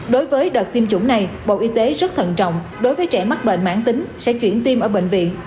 đối với đợt tiêm chủng này bộ y tế rất thận trọng đối với trẻ mắc bệnh mãn tính sẽ chuyển tiêm ở bệnh viện